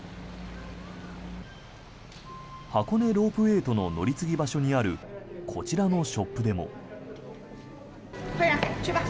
箱根ロープウェイとの乗り継ぎ場所にあるこちらのショップでも。